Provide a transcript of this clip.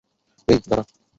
এই, দাঁড়া।